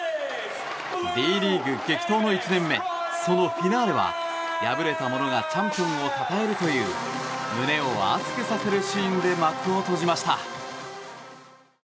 Ｄリーグ激闘の１年目そのフィナーレは敗れた者がチャンピオンをたたえるという胸を熱くさせるシーンで幕を閉じました。